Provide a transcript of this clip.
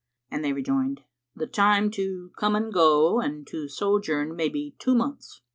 and they rejoined, "The time to come and go, and to sojourn may be two months."